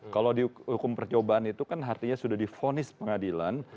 kalau dihukum percobaan itu kan artinya sudah di vonis pengadilan